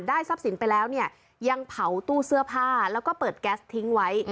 ทรัพย์สินไปแล้วเนี่ยยังเผาตู้เสื้อผ้าแล้วก็เปิดแก๊สทิ้งไว้